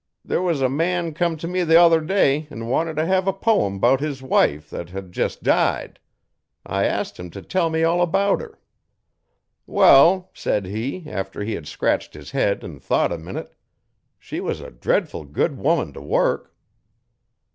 'There was a man come to me the other day an' wanted t' hev a poem 'bout his wife that hed jes' died. I ast him t' tell me all 'bout her. '"Wall," said he, after he had scratched his head an' thought a minute, "she was a dretful good woman t' work."